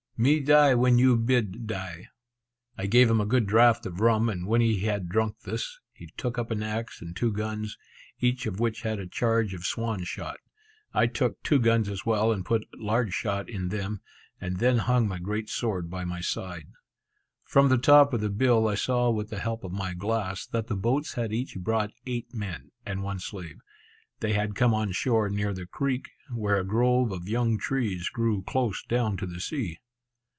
"Me die when you bid die." I gave him a good draught of rum; and when he had drunk this, he took up an axe and two guns, each of which had a charge of swan shot. I took two guns as well, and put large shot in them, and then hung my great sword by my side. From the top of the bill, I saw with the help of my glass, that the boats had each brought eight men, and one slave. They had come on shore near the creek, where a grove of young trees grew close down to the sea.